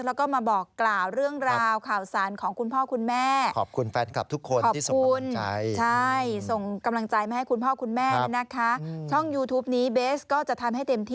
แล้วก็มาบอกกล่าวเรื่องราวข่าวสารของคุณพ่อคุณแม่